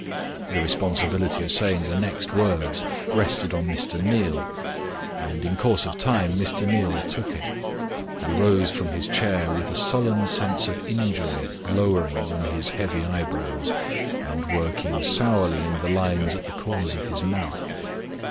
The responsibility of saying the next words rested on Mr. Neal, and in course of time Mr. Neal took it. He rose from his chair with a sullen sense of injury lowering on his heavy eyebrows, and working sourly in the lines at the corners of his mouth.